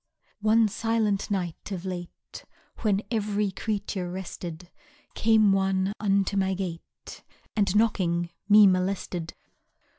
One silent night of late, When every creature rested, Came one unto my gate And, knocking, me molested.